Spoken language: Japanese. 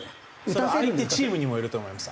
それは相手チームにもよると思います。